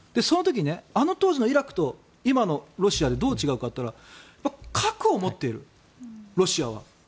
その時に、あの当時のイラクと今のロシアでどう違うかっていったら核を持っている、ロシアは。